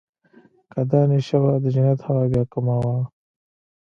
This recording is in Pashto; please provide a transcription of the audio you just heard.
که دا نېشه وه د جنت هوا بيا کومه وه.